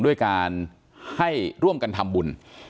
ด้วยการให้ร่วมกันทำบุญ